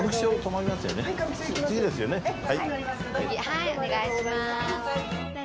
はいお願いします。